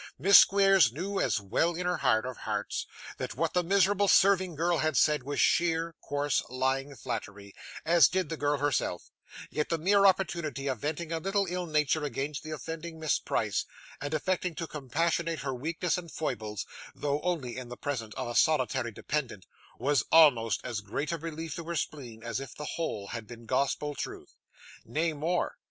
Miss Squeers knew as well in her heart of hearts that what the miserable serving girl had said was sheer, coarse, lying flattery, as did the girl herself; yet the mere opportunity of venting a little ill nature against the offending Miss Price, and affecting to compassionate her weaknesses and foibles, though only in the presence of a solitary dependant, was almost as great a relief to her spleen as if the whole had been gospel truth. Nay, more.